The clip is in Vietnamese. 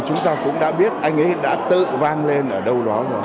chúng ta cũng đã biết anh ấy đã tự vang lên ở đâu đó rồi